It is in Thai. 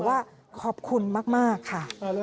ว่าขอบคุณมากค่ะ